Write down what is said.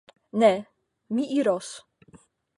Ne; mi iros.